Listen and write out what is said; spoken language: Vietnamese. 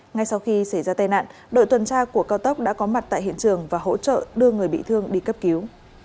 ngay sau khi xảy ra tai nạn đội tuần tra của cao tốc đã có mặt tại hiện trường và hỗ trợ đưa người bị thương đi cấp cứu